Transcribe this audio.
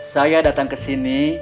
saya datang kesini